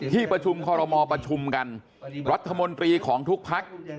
ที่ประชุมคอรมอประชุมกันรัฐมนตรีของทุกพัก